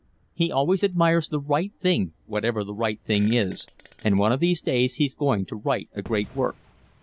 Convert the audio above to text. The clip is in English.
He always admires the right thing whatever the right thing is, and one of these days he's going to write a great work.